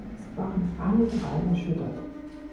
Sie waren alle drei erschüttert.